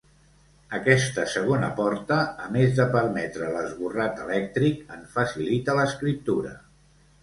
Aquesta segona porta, a més de permetre l'esborrat elèctric, en facilita l'escriptura.